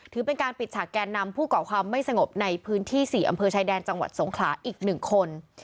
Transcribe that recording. ถือเป็นการปิดฉากแกนนำผู้ก่อความไม่สงบในพื้นที่๔อำเภอชายแดนจังหวัดสงขลาอีก๑คน